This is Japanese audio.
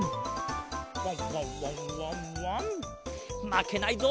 まけないぞ。